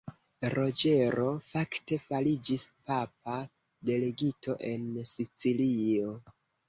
Roĝero, fakte, fariĝis papa delegito en Sicilio.